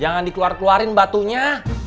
jangan dikeluar keluarin batunya